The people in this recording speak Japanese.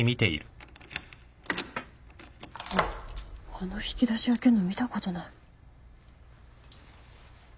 あの引き出し開けるの見たことない。